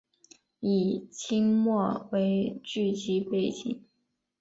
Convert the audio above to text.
以清末为剧集背景。